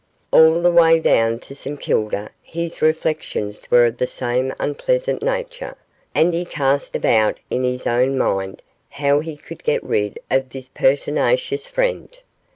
All the way down to St Kilda his reflections were of the same unpleasant nature, and he cast about in his own mind how he could get rid of this pertinacious friend.